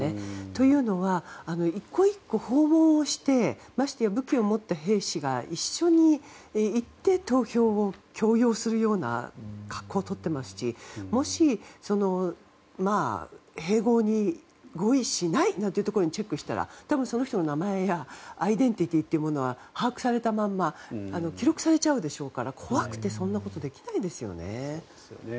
というのは１戸１戸訪問をしてまして武器を持った兵士が一緒に行って投票を強要するような格好をとっていますし、もし併合に合意しないなんてところにチェックしたら多分その人の名前やアイデンティティーというものは把握されたまま記録されたちゃうでしょうから怖くてそんなことできないですよね。